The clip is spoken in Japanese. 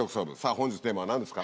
本日テーマは何ですか？